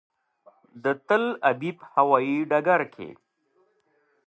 د تل ابیب هوایي ډګر کې.